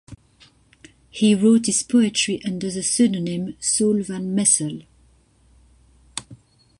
He wrote his poetry under the pseudonym Saul van Messel.